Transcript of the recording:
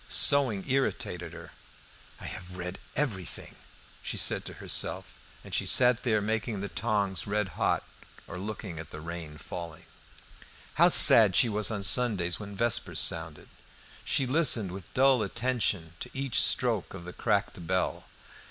Sewing irritated her. "I have read everything," she said to herself. And she sat there making the tongs red hot, or looked at the rain falling. How sad she was on Sundays when vespers sounded! She listened with dull attention to each stroke of the cracked bell.